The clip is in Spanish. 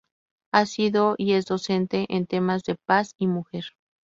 Ha sido y es docente en temas de paz y mujer.